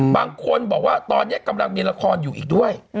บางคนบอกว่าตอนนี้กำลังมีละครอยู่อีกด้วย